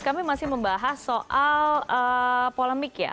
kami masih membahas soal polemik ya